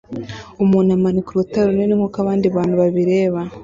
Umuntu amanika urutare runini nkuko abandi bantu babireba